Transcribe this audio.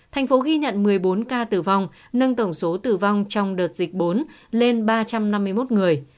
thành phố ghi nhận một mươi bốn ca tử vong nâng tổng số tử vong trong đợt dịch bốn lên ba trăm năm mươi một người